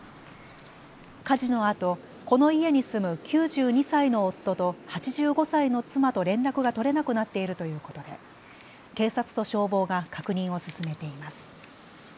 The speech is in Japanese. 火事のあと、この家に住む９２歳の夫と８５歳の妻と連絡が取れなくなっているということで警察と消防が確認を進めています。